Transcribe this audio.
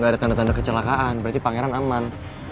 gak ada tanda tanda kecelakaan berarti pangeran aman